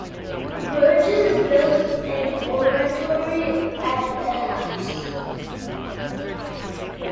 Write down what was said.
Burges built an oratory at the house.